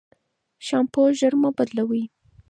شامپو ژر مه بدلوی.